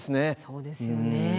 そうですよね。